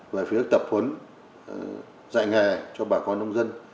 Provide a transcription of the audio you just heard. về phía tập huấn dạy nghề cho bà con nông dân